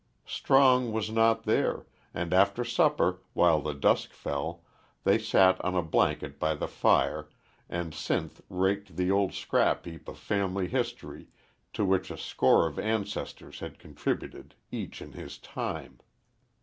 Strong was not there, and after supper, while the dusk fell, they sat on a blanket by the fire, and Sinth raked the old scrap heap of family history to which a score of ancestors had contributed, each in his time.